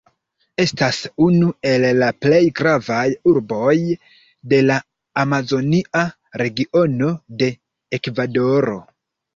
Estas unu el la plej gravaj urboj de la Amazonia Regiono de Ekvadoro.